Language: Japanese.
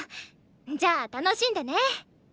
じゃ楽しんでね！